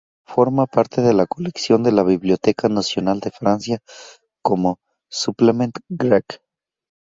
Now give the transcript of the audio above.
Forma parte de la colección de la Biblioteca Nacional de Francia como Supplement Grec.